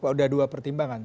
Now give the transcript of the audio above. udah dua pertimbangan